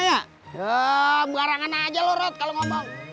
ya mengarangkan aja lu rat kalo ngomong